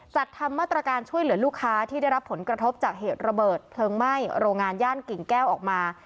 จัดทำมาตรการช่วยเหลือลูกค้าที่ได้รับผลกระทบจากเหตุระเบิดเพลิงไหม้โรงงานย่านกิ่งแก้วออกมา